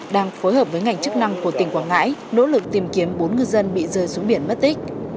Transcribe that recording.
đang phối hợp với ngành chức năng của tỉnh quảng ngãi nỗ lực tìm kiếm bốn ngư dân bị rơi xuống biển mất tích